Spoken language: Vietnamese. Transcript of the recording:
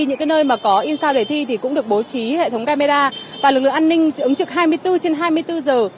những nơi mà có in sao đề thi thì cũng được bố trí hệ thống camera và lực lượng an ninh ứng trực hai mươi bốn trên hai mươi bốn giờ